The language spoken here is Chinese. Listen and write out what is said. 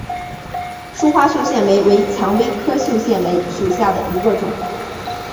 疏花绣线梅为蔷薇科绣线梅属下的一个种。